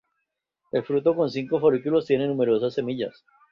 El fruto con cinco folículos tiene numerosas semillas.